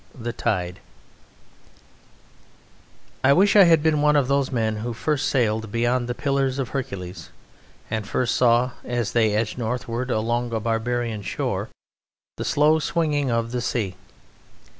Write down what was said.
The Tide I wish I had been one of those men who first sailed beyond the Pillars of Hercules and first saw, as they edged northward along a barbarian shore, the slow swinging of the sea.